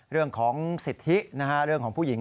เรื่องของสิทธิเรื่องของผู้หญิง